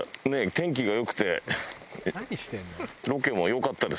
天気が良くてロケもよかったですね